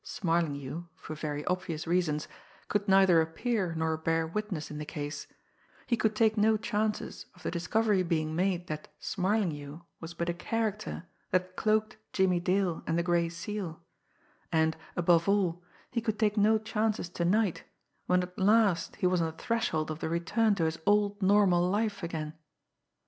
"Smarlinghue," for very obvious reasons, could neither appear nor bear witness in the case; he could take no chances of the discovery being made that "Smarlinghue" was but a character that cloaked Jimmie Dale and the Gray Seal and, above all, he could take no chances to night when at last he was on the threshold of the return to his old normal life again!